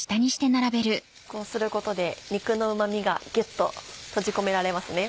こうすることで肉のうま味がギュっと閉じ込められますね。